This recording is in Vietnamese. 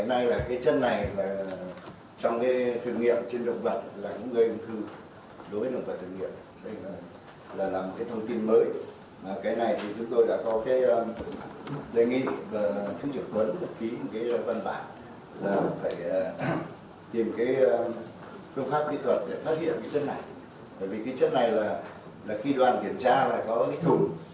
tại vì chất này là khi đoàn kiểm tra là có cái thùng